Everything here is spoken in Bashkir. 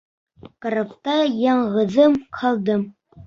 Карапта яңғыҙым ҡалдым.